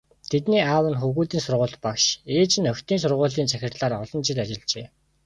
Тэдний аав нь хөвгүүдийн сургуульд багш, ээж нь охидын сургуулийн захирлаар олон жил ажиллажээ.